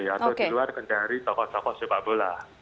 atau di luar kendari tokoh tokoh sepak bola